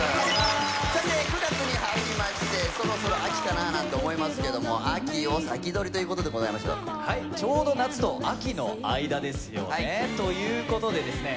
さて９月に入りましてそろそろ秋かななんて思いますけども秋を先取りということでございましょうかはいちょうど夏と秋の間ですよねということでですね